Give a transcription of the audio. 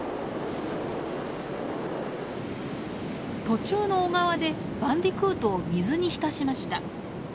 途中の小川でバンディクートを水に浸しました。